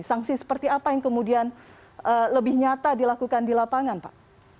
sanksi seperti apa yang kemudian lebih nyata dilakukan di lapangan pak